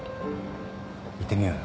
行ってみようよ。